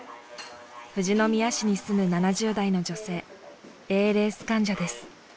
富士宮市に住む７０代の女性ＡＬＳ患者です。